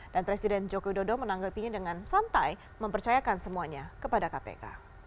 dan presiden joko widodo menanggapinya dengan santai mempercayakan semuanya kepada kpk